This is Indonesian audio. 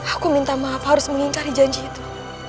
aku minta maaf harus mengingkari janji itu